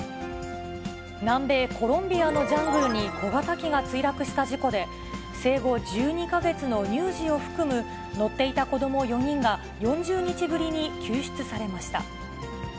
南米コロンビアのジャングルに小型機が墜落した事故で、生後１２か月の乳児を含む、乗っていた子ども４人が４０日ぶりに救出されました。